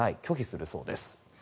拒否するそうです。